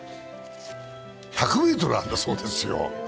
１００ｍあるんだそうですよ。